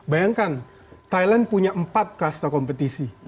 bayangkan thailand punya empat kasta kompetisi